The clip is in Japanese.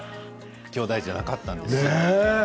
きょうだいじゃなかったんですよ。